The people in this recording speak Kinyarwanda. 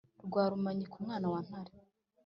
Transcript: Kwa Rumanyika, umwana wa Ntare